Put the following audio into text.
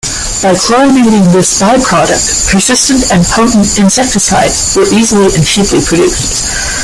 By chlorinating this by-product, persistent and potent insecticides were easily and cheaply produced.